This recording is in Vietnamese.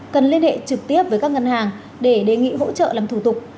cần liên hệ trực tiếp với các ngân hàng để đề nghị hỗ trợ làm thủ tục